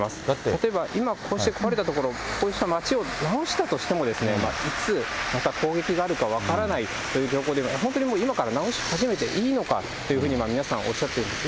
例えば今、こうして壊れた所を、こうした町を直したとしても、いつまた攻撃があるか分からないという状況で、本当に今から直し始めていいのかというふうに、皆さんおっしゃっています。